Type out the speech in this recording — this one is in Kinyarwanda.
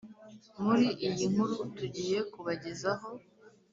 muri iyi nkuru tugiye kubagezaho